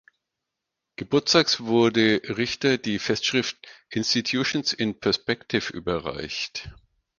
Geburtstags wurde Richter die Festschrift "Institutions in Perspective" überreicht.